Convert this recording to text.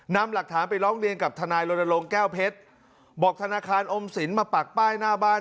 นำหลักฐานไปร้องเรียนกับทนายรณรงค์แก้วเพชรบอกธนาคารอมสินมาปักป้ายหน้าบ้าน